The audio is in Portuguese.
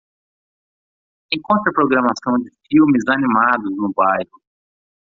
Encontre a programação de filmes animados no bairro.